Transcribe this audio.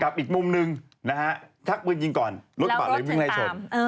อีกมุมหนึ่งนะฮะชักปืนยิงก่อนรถกระบะเลยวิ่งไล่ชน